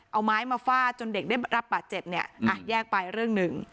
เอาไม้มาฟาดจนเด็กได้รับบาดเจ็บเนี่ยอ่ะแยกไปเรื่องหนึ่ง